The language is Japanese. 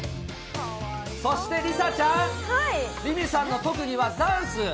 そして梨紗ちゃん、凛美さんの特技はダンス。